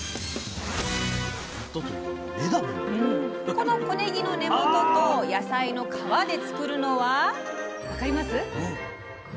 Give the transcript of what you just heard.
この小ねぎの根元と野菜の皮で作るのは分かります？